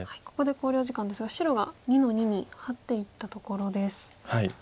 ここで考慮時間ですが白が２の二にハッていったところです。